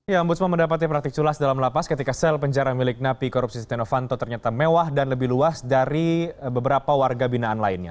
yambusman mendapati praktik culas dalam lapas ketika sel penjara milik napi korupsi setia novanto ternyata mewah dan lebih luas dari beberapa warga binaan lainnya